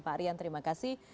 pak aryan terima kasih